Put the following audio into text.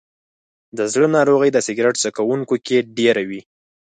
د زړه ناروغۍ د سګرټ څکونکو کې ډېرې وي.